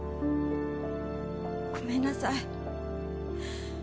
ごめんなさい。